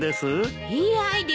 いいアイデアね。